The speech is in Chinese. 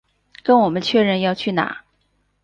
跟我们确认要去哪